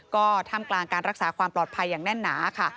ก็ท่ามกลางการรักษาความปลอดภัยอย่างแน่นหนาค่ะ